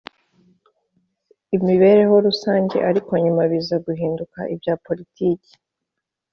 n imibereho rusange ariko nyuma biza guhinduka ibya poritiki